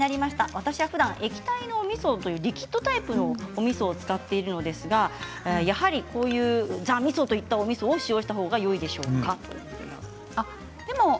私はふだん液体みそというリキッドタイプのおみそを使っているのですがやはりこういうザ・みそといったおみそを使用したほうがいいでしょうか。